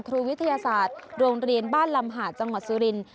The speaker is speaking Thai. ครูวิทยาศาสตร์โรงเรียนบ้านลำหาดจังหวัดสุรินทร์